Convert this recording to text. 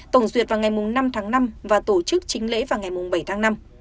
tổng duyệt vào ngày năm tháng năm và tổ chức chính lễ vào ngày bảy tháng năm